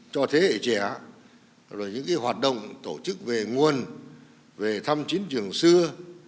cho thế hệ trẻ rồi những hoạt động tổ chức về nguồn về thăm chiến trường xưa